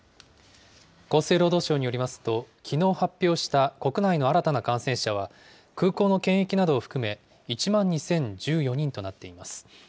厚生労働省によりますと、きのう発表した国内の新たな感染者は、空港の検疫などを含め、１万２０１４人となっています。